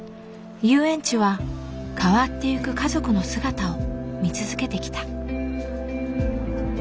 遊園地は変わっていく家族の姿を見続けてきた。